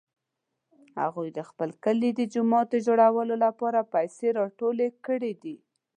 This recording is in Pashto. هغوی د خپل کلي د جومات د جوړولو لپاره پیسې راټولې کړې دي